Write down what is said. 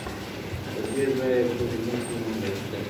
تر دې ځایه پوري نه سو موږ راتللای ..